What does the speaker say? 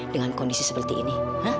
dengan kondisi seperti ini